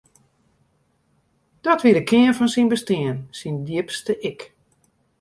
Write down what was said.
Dat wie de kearn fan syn bestean, syn djipste ik.